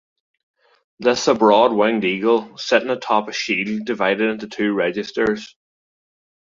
This is a broad winged eagle, sitting atop a shield divided into two registers.